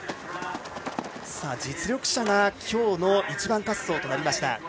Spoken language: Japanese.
実力者が今日の１番滑走となりました。